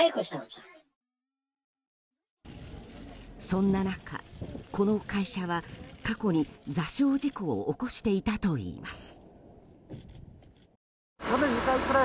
そんな中、この会社は過去に座礁事故を起こしていたといいます。